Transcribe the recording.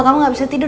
kamu gak bisa tidur